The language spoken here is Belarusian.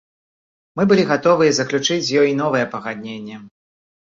Мы былі гатовыя заключыць з ёй новае пагадненне.